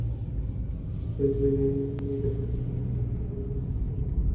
শেষ দিন বিকেলে আলোচনা অনুষ্ঠানে সভাপতিত্ব করেন সংগঠনের কেন্দ্রীয় কমিটির সভাপতি প্রশান্ত কেরকাটা।